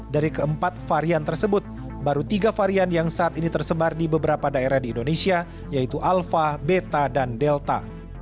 dari keempat varian tersebut baru tiga varian yang saat ini tersebar di beberapa daerah di indonesia yaitu alpha beta dan delta